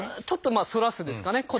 ちょっとまあ「反らす」ですかね。